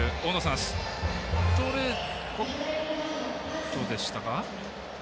ストレートでしたか。